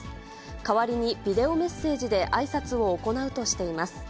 代わりにビデオメッセージであいさつを行うとしています。